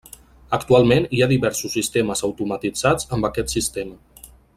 Actualment hi ha diversos sistemes automatitzats amb aquest sistema.